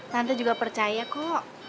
tante juga percaya kok